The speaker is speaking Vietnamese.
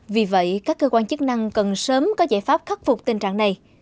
vì vậy các cơ quan chức năng cần sớm có giải pháp khắc phục tình trạng này